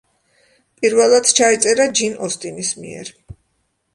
პირველად ჩაიწერა ჯინ ოსტინის მიერ.